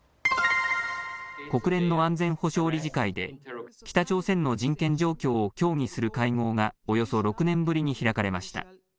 国連の安全保障理事会で北朝鮮の人権状況を協議する会合がおよそ６年ぶりに開かれました。